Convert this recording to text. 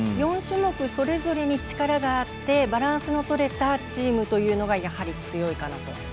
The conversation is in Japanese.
４種目、それぞれに力があってバランスのとれたチームがやはり強いかなと。